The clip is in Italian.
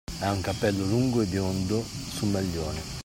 Hai un capello lungo e biondo sul maglione!